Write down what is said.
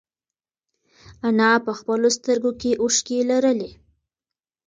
انا په خپلو سترگو کې اوښکې لرلې.